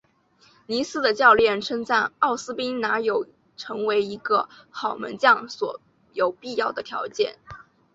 尼斯的教练称赞奥斯宾拿有成为一个好门将所有必要的条件。